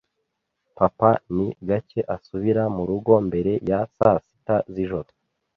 Papa ni gake asubira murugo mbere ya saa sita z'ijoro.